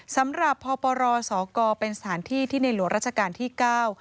สำหรับพปรสกเป็นสถานที่ที่ในหลวงราชการที่เก้า